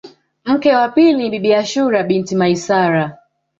Mke wake wa pili ni Bibi Ashura binti Maisara